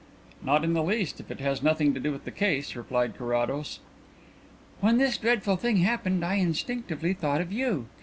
"Not in the least if it has nothing to do with the case," replied Carrados. "When this dreadful thing happened I instinctively thought of you.